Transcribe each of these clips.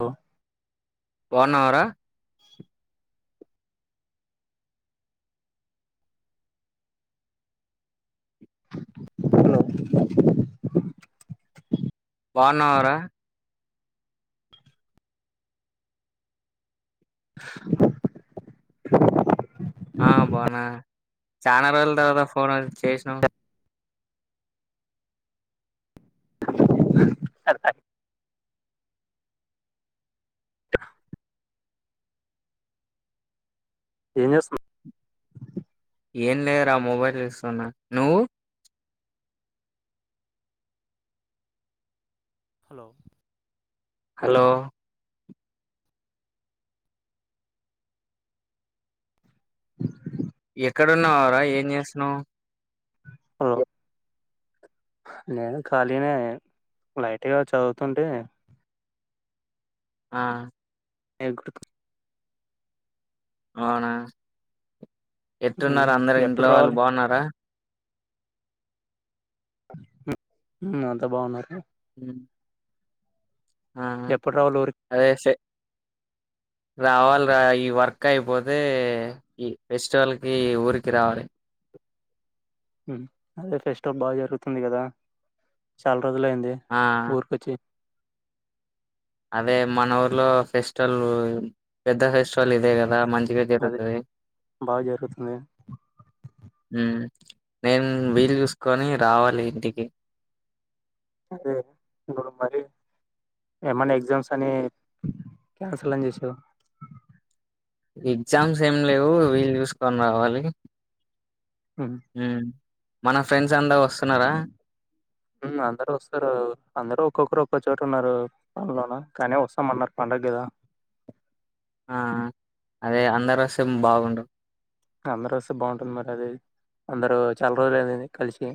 Hello బావున్నావర బావున్నావరా ఆ బాగునా చానా రోజుల తర్వాతా ఫోన్ చేసినవే అర ఏం చేస్తున్నావ్ ఏమ్ లేయరా మొబైల్ చూస్తూన్న నువ్వు హలో హలో ఎక్కడున్నావరా ఏం చేస్తున్నావ్ ఆ నేను ఖాళీనే లైట్గా చదువుతుంటే ఆ ఎగడుతు అవునా ఎట్టున్నారూ అందరు ఉమ్ ఎప్పుడు ఇంట్లో వాళ్ళు రావాలి బాగున్నారా అంత బాగున్నారు ఉమ్ ఆహ ఎప్పుడు రావాలి ఊరికి అదే సే రావల్రా ఈ వర్క్ అయిపోతే ఈ ఫెస్టివల్ కి ఊరికి రావాలి ఉహు అదే ఫెస్టివల్ బాగా జరుగుతుంది కదా చాలా రోజులయింది ఆ ఊరుకొచ్చి అదే మన ఊర్లో ఫెస్టివల్ పెద్ద ఫెస్టివల్ ఇదే కదా మం చిగ అదే జరుగుతది బాగా జరుగుతుంది నేన్ వీలు చూసుకొని రావాలి ఇంటికి అదే ఎప్పుడు మరి ఏమన్నా ఎగ్జామ్స్ అని క్యాన్సల్ అని చేసేవ్ ఎగ్జామ్స్ ఏం లేవు వీలు చూసుకొని రావాలి ఉమ్ మన ఫ్రెండ్స్ అందరు వస్తున్నారా అందరు వస్తరు అందరుూ ఒక్కొక్కరు ఒక్కో చోట ఉన్నారు పనులోన కానీ వస్తామన్నారు పండుగ గదా ఆ అదే అందరు వస్తే బాగుండు అందరు వస్తే బాగుంటది మరి అది అందరు చలా రోజులు ఐంది కలిసి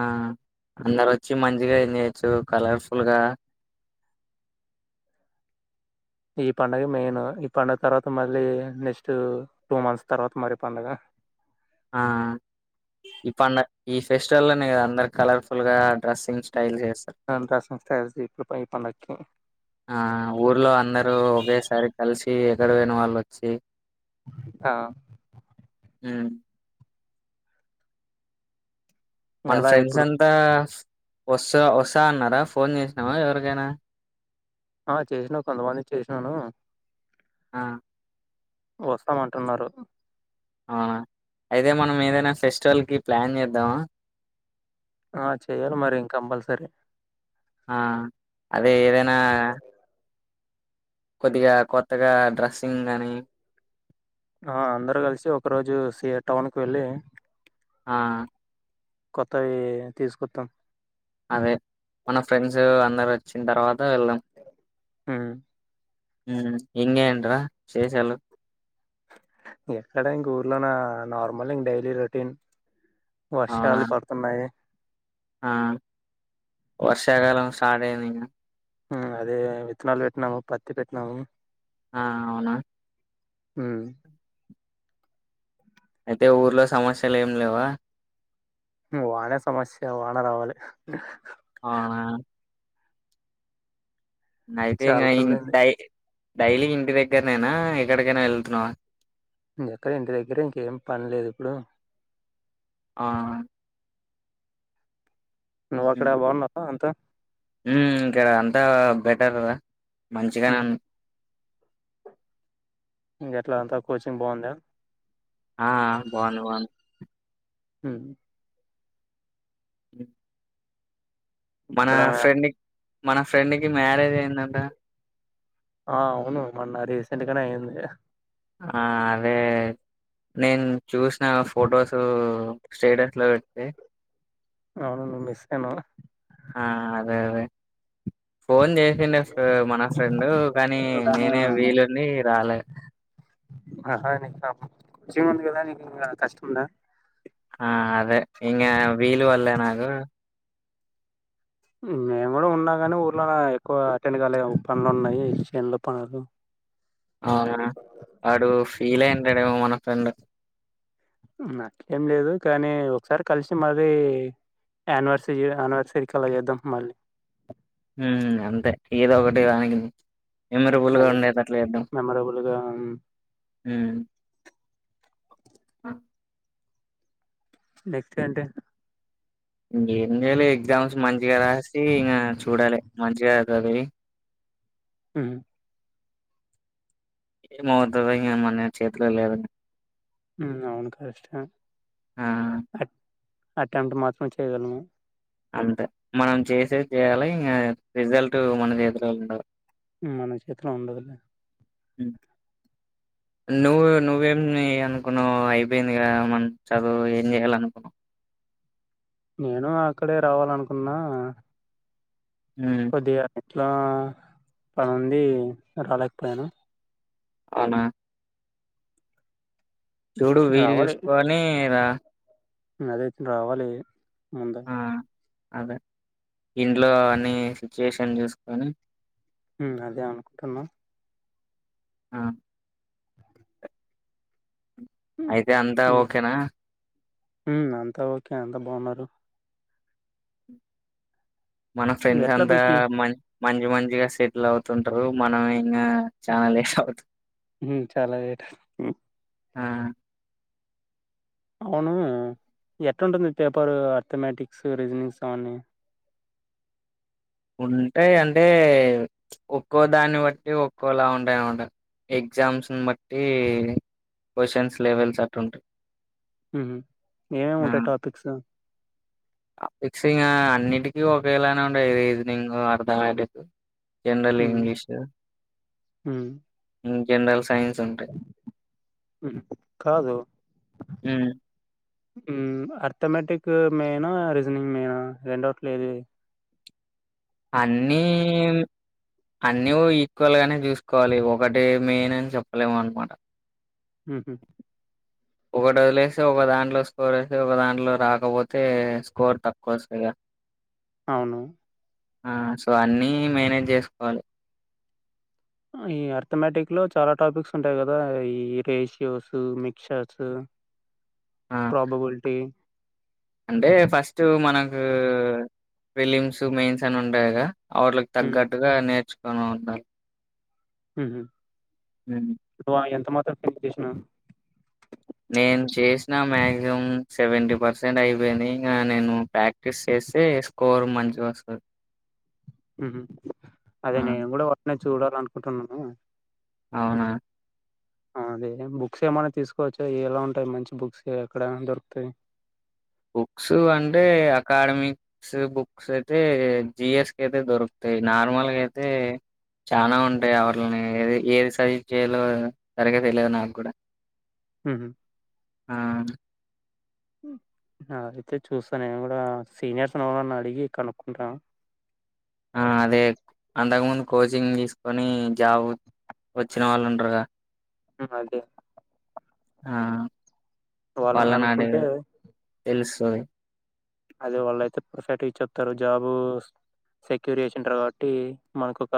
ఆ అందరు వచ్చి మంచిగా ఎంజాయ్ చేయొచ్చు కలర్ఫుల్గా ఈ పండుగ మెయిన్ ఈ పండుగ తర్వాత మళ్ళీ నెక్స్ట్ టూ మంత్స్ తర్వాత మరి పండగ ఆ ఈ పన్న ఈ ఫెస్టివల్ లోనే అందరు కలర్ఫుల్ గా డ్రెస్సింగ్ స్టైల్ చే అంత అస్సాంస్టెల్ ఇప్పుడు పండక్కి ఆ ఊర్లో అందరుూ ఒకేసారి కలిసి ఎక్కడ పోయిన వాళ్ళు వచ్చి ఆ ఉమ్ మన ఎలా ఫ్రెండ్స్ ఇప్పుడు అంతా వస్సా వసా అన్నారా ఫోన్ చేసినవ ఎవరికైనా ఆ చేసినా కొంతమంది చేసినాను ఆ వస్తామంటున్నారు అవునా అయితే మనం ఏదైనా ఫెస్టివల్ కి ప్లాన్ చేద్దామా ఆ చెయ్యాలి మరి ఇం కంపల్సరీ ఆ అదే ఏదైనా కొద్దిగా కొత్తగా డ్రెస్సింగ్ కాని ఒకరోజు సి టౌన్కి వెళ్ళి ఆ కొత్తవి తీసుకొతాం అదే మన ఫ్రెండ్స్ అందరు వచ్చిన తర్వాత వెళ్దాం ఉమ్ [unintelligible] చేసి వెళ్దాం ఎక్కడ ఇంక ఊర్లో నా నార్మల్ ఇంక డైలీ రొటీన్ అవునా వర్షాలు పడుతున్నాయి ఆ వర్షాకాలం స్టార్ట్ అయింది అదే విత్తనాలు పెట్టినాము పత్తి పెట్టినాము ఆ అవునా హ అయితే ఊర్లో సమస్యలు ఏం లేవా వానే సమస్య వాన రావాలి అవునా అయితే చాలా ఇంకా రోజులైంది డై డైలీ ఇంటి దగ్గరనేేనా ఇం ఇంటి దగ్గరే ఇంకేం పనిలేదు ఇప్పుడు ఆ నువ్వు అక్కడ ఉమ్ బాగున్నావా అంతా ఇక్కడ అంతా బెటర్ మంచిగానే ఇంక ఎట్లా అంతా కోచింగ్ బాగుందా ఆ బాగుంది బాగుంది హు అ మన ఇక్కడ ఫ్రెండ్ మన ఫ్రెండ్కిి మ్యారేజ్ అయిందంట ఆ అవును మొన్న రీసెంట్గానే అయింది ఆ అవే నేను చూసిన ఫొటోస్ స్టేటస్ లో పెడితే అవును నువ్వు మిస్ అయినావ్ ఆ అదే అదే ఫోన్ చేసిండ మన ఫ్రెండు కానీ నేనే వీలుండి రాలే హా కొచింగ్ ఉంది కదా కష్టం ఉందా ఆ అదే ఇంగ వీలు పడలే నాకు మేము కూడా ఉన్నా కానీ ఊర్లో ఎక్కువ అటెండ్ కాలే పనులు ఉన్నాయి చేనులు పనులు అవునా వాడు ఫీల్ అయ్యింటాడు మన ఫ్రెండ్ నాకేం అట్లేం లేదు కానీ ఒకసారి కలిసి మరిీ యానివర్సరీ అయానివర్సరీకి అలా చేద్దాం మళ్ళీ హ్మ్మ్ అంతే ఏదో ఒకటి దానికింది మెమొరబుల్ గా అదే ఉండేటట్టు చేద్దాం మెమరబుల్ గా ఇంకా ఆ నెక్స్ట్ ఏంటి ఇంకేం లేదు ఎగ్జామ్స్ మంచిగా రాసి ఇంకా చూడాలి మంచిగా చదివి హు ఏమవుతదొ ఇంగా మన చేతిలో లేదని ఉ అవును కష్ట ఆ ఆ అటెంప్ట్ మాత్రం చేయగలము అంతే మనం చేసేది చేయాలి ఇంకా రిజల్ట్ మనది చేతిలో ఉండదు మన చేతిలో ఉండదులే ఉ నువ్వు నువ్వేం అనుకున్నావు అయిపోయింది కదా మనం చదువు ఏం చేయాలనుకున్నావు నేను అక్కడే రావాలనుకున్నా ఉమ్ కొద్దిగా ఇట్లా పని ఉంది రాలేకపోయాను అవునా చూడు వీలు చూసుకని రా అదై రావాలి ఆ ముందగా అదే ఇంట్లో అన్ని సిచ్యువేషన్ చూసుకొని ఉ అదే అనుకుంటున్నా ఆ ఉమ్ అయితే అంతా ఓకేనా ఉ అంతా ఓకే అంతా బాగున్నారు మన ఫ్రెండ్స్ ఎట్లా అంతా పికి మ మంచి మంచి గా సెటిల్ అవుతుంటారు మనం ఇంగా చానా లేట్ అవుత హు చాలా లేటు ఆ అవును ఎట్లాంటుంది పేపరు అర్థమటిక్స్ రీజనింగ్స్ అవన్నీ ఉంటాయి అంటే ఒక్కో దాన్ని బట్టి ఒక్కోలా ఉంటాయనమాట ఎగ్జామ్స్ ని బట్టి క్వశ్చన్స్ లెవెల్స్ అటు ఉంటాయి ఉహు ఏమేమి ఉంటాయి టాపిక్స్ టాపిక్స్ ఇంగ అన్నిటికిీ ఒకలానే ఉండాయి రీజనింగ్ అర్ధమ్యాటిక్ జనరల్ ఉహు ఇంగ్లీష్ ఉహు జనరల్ సైన్స్ ఉంటాయి కాదు ఉమ్ ఉ అర్థమెటిక్ మేయినా రీజనింగ్ మెయినా రెండిట్లో ఏది అన్నీ అన్నీ ఈక్వల్ గానే చూసుకోవాలి ఒకటి మెయిన్ అని చెప్పలేము అనమాట ఉహు ఒకటి వదిలివేస్తే ఒక దాంట్లో స్కోర్ వేసి ఒక దాంట్లో రాకపోతే స్కోర్ తక్కువ వస్తయి గా అవును ఆ సో అన్నీ మేనేజ్ చేసుకోవాలి ఈ అర్థమ్యాటిక్ లో చాలా టాపిక్స్ ఉంటాయి కదా ఈ రేషియోస్ మిక్చర్స్ ఆ ప్రాబబిలిటీ అంటే ఫస్ట్ మనకు విలిమ్స్ మెయిన్స్ అని ఉంటాయిగా అవట్లకు హ్మ్. తగ్గట్టుగా నేర్చుకోని ఉండాలి ఉహు హ్మ్. వా ఎంత మాత్రం [unintelligible] చేసినావ్ నేను చేసిన మాక్సిమం సెవెంటీ పర్సెంట్ అయిపోయింది ఇంగా నేను ప్రాక్టీస్ చే సే స్కోర్ మంచి వస్తు ఉహు అదే నేను కూడా వాటినే చూడాల అనుకుంటున్నాను అవునా అదే బుక్స్ ఏమన్నా తీసుకోవచ్చా ఎలా ఉంటాయి మంచి బుక్స్ ఎక్కడ దొరుకుతాయి బుక్స్ అంటే అకాడమి బుక్స్ బుక్స్ అయితే జిఎస్ కయితే దొరుకుత నార్మల్గా అయితే చానా ఉంటాయి ఆవర్ళని ఏ ఏది సరి చేయాలో సరిగా తెలియదు నాకు కూడా హుహు. అవును హ అయితే చూస్తా నేను కూడా సీనియర్స్ ఎవనన్నా అడిగి కనుక్కుంటాను ఆ అదే అంతకుముందు కోచింగ్ తీసుకొని జాబ్ వచ్చిన వాళ్ళుండ్రగా అదే ఆ వాళ్ళ వాళ్ళని నడిగే కనుక్కుంటే తెలుస్తది అదే వాళ్ళయితే పర్ఫెక్ట్ చెప్తారు జాబు సెక్యూర్ చేసింటారు కాబట్టి మనకు ఒక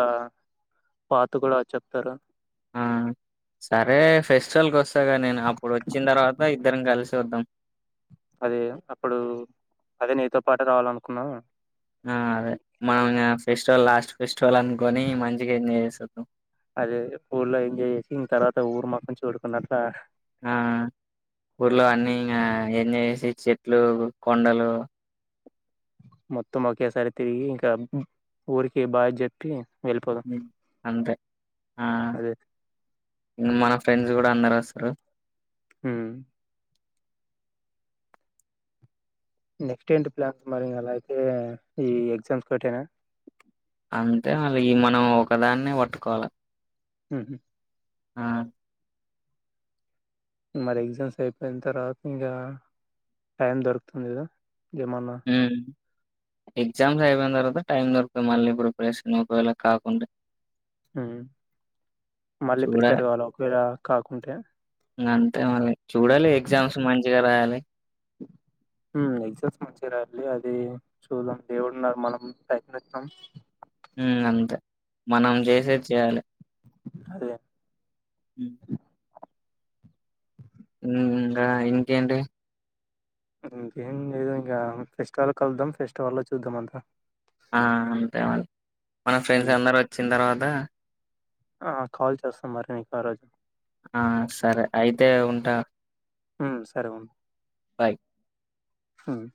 పాతుకు లా చెప్తారు ఆ సరే ఫెస్టివల్ కస్తాగా నేను అప్పుడు వచ్చిన తర్వాత ఇద్దరం కలిసి చూద్దాం అదే అప్పుడు అదే నీతో పాటె రావాలనుకున్నా ఆ అదే మనం ఇంగ ఫెస్టివల్ లాస్ట్ ఫెస్టివల్ అనుకోని మంచిగా ఎంజాయ్ చేసోద్దాం అదే ఊల్లో ఎంజాయ్ చేసి ఇ తర్వాత ఊరు మొత్తం చూడుకున్నట్ల ఆ ఊర్లో అన్ని ఇగా ఎంజాయ్ చేసి చెట్లు కొండలు మొత్తం ఒకేసారి తిరిగి ఇంకా ఊరికి బాయి జెప్పి అంతే ఆ అదే మన ఫ్రెండ్స్ కూడా అందరు అస్తరు హు నెక్స్ట్ ఏంటి ప్లాన్స్ మరి అలా అయితే ఈ ఎగ్జామ్స్ కొట్టానా అంతే మళ్ళ ఇ మనం ఒకదాన్నే వట్టుకోవాల ఉహు ఆ మరి ఎగ్జామ్స్ అయిపోయిన తర్వాత ఇంకా టైం దొరుకుతుంది కదా ఏమన్నా ఉమ్ ఎగ్జామ్స్ అయిపోయిన తర్వాత టైం దొరుకుతది మళ్ళ ఇప్పుడు ప్రిపేరేషన్ ఒకవేళ కాకుండా ఉ మళ్ళీ ప్రిపేర్ కావాల ఒకవేళ కాకుంటే ఇంగ అంతే మళ్ళీ చూడాలి ఎగ్జామ్స్ మంచిగా రాయాలి ఎగ్జామ్స్ మంచిగా రాయలి అది చూదాం దేవుడు ఉన్నారు మనం ప్రయత్నిస్తాం ఉ అంతే మనం చేసేది చేయాలే అదే ఇంక ఇంకేంటి ఇంకేం లేదు ఇంకా ఫెస్టివల్ కలుదాం ఫెస్టివల్ లో చూద్దాం అంతా ఆ అంతే మన ఉమ్, ఫ్రెండ్స్ అందరూ వచ్చిన తర్వాత ఆ కాల్ చేస్తా మరి మీకు ఆ రోజు ఆ సరే అయితే ఉంటా ఉ సరే ఉం బాయ్ సయ